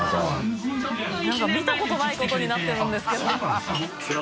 川田）なんか見たことないことになってるんですけど。